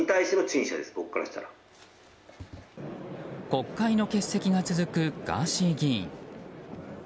国会の欠席が続くガーシー議員。